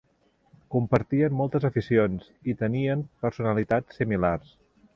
Compartien moltes aficions i tenien personalitats similars.